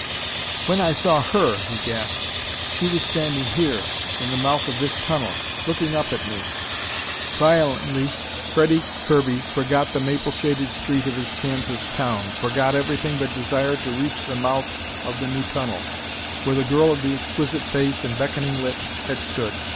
"When I saw her," he gasped, "she was standing here, in the mouth of this tunnel, looking up at me!" Violently, Freddie Kirby forgot the maple shaded street of his Kansas town, forgot everything but desire to reach the mouth of the new tunnel, where the girl of the exquisite face and beckoning lips had stood.